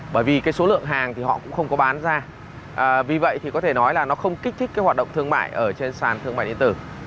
bởi vì số lượng hàng họ cũng không có bán ra vì vậy có thể nói là nó không kích thích hoạt động thương mại ở trên sàn thương mại điện tử